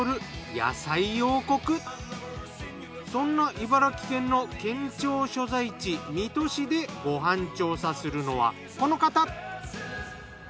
そんな茨城県の県庁所在地水戸市でご飯調査するのはこの方。